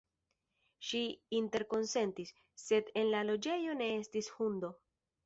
Ŝi interkonsentis, sed en la loĝejo ne estis hundo.